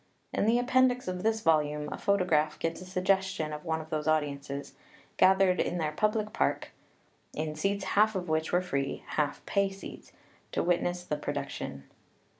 In the appen dix of this volume a photograph gives a suggestion of one of those audiences, gathered in their public park [in seats half of which were free, half pay seats] to witness the production.